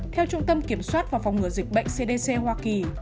theo trung tâm kiểm soát và phòng ngừa dịch bệnh cdc hoa kỳ